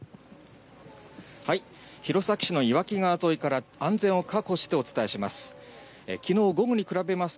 弘前市の岩木川沿いから安全を確保してお伝えします。